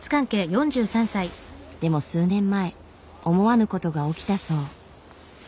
でも数年前思わぬことが起きたそう。